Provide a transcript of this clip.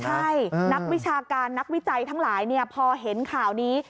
ใช่นักวิชาการนักวิจัยทั้งหลายพอเห็นข่าวนี้